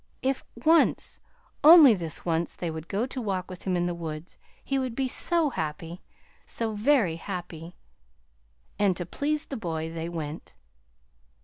If once, only this once, they would go to walk with him in the woods, he would be so happy, so very happy! And to please the boy they went.